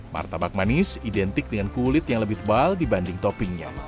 martabak manis identik dengan kulit yang lebih tebal dibanding toppingnya